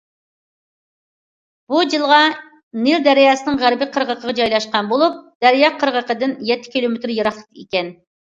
بۇ جىلغا نىل دەرياسىنىڭ غەربىي قىرغىقىغا جايلاشقان بولۇپ، دەريا قىرغىقىدىن يەتتە كىلومېتىر يىراقلىقتا ئىكەن.